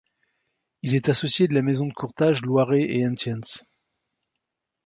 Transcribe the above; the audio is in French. Il est associé de la maison de courtage Loiret & Haëntjens.